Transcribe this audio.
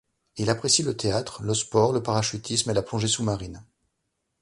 Il apprécie le théâtre, le sport, le parachutisme et la plongée sous-marine.